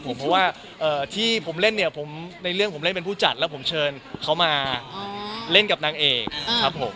เพราะว่าที่ผมเล่นเนี่ยในเรื่องผมเล่นเป็นผู้จัดแล้วผมเชิญเขามาเล่นกับนางเอกครับผม